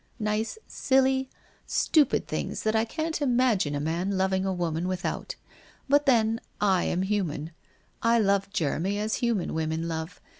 Nice, silly, stupid things, that I can't imagine a man loving a woman with out ! But, then, I am human. I loved Jeremy as human women love.